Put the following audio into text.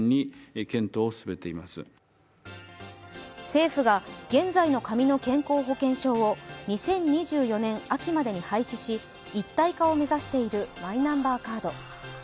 政府が現在の紙の健康保険証を２０２４年秋までに廃止し一体化を目指しているマイナンバーカード。